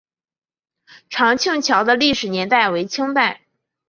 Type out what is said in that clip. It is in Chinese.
长庆桥的历史年代为清代。